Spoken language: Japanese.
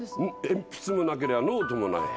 鉛筆もなけりゃノートもない。